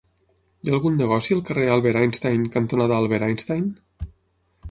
Hi ha algun negoci al carrer Albert Einstein cantonada Albert Einstein?